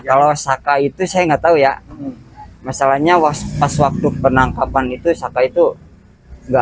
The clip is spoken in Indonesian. kalau saka itu saya nggak tahu ya masalahnya pas waktu penangkapan itu saka itu enggak